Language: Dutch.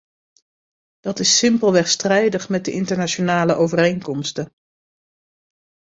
Dat is simpelweg strijdig met de internationale overeenkomsten.